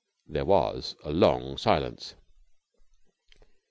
There was a long silence.